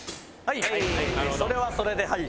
それはそれではい